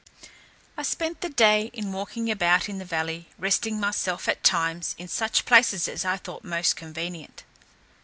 I spent the day in walking about in the valley, resting myself at times in such places as I thought most convenient.